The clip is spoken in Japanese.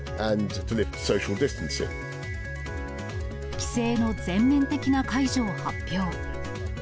規制の全面的な解除を発表。